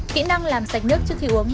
kĩ năng làm sạch nước trước khi uống